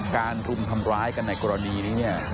รุมทำร้ายกันในกรณีนี้เนี่ย